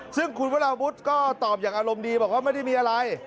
ซึ่งคุณวราวุฒิก็ตอบอย่างอารมณ์ดีบอกว่าไม่ได้มีอะไร